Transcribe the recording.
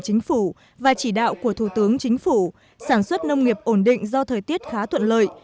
chính phủ và chỉ đạo của thủ tướng chính phủ sản xuất nông nghiệp ổn định do thời tiết khá thuận lợi